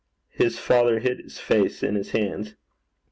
His father hid his face in his hands.